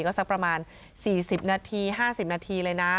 ก็จะประมาณ๔๐๕๐นาทีเลยนะ